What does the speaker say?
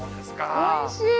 おいしい！